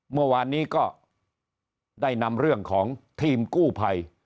เมื่อวานนี้ก็ได้นำเรื่องของทีมกู้ภัย